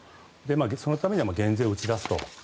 そのためには減税を打ち出すと。